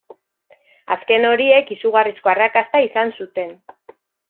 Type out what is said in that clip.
Azken horiek izugarrizko arrakasta izan zuten.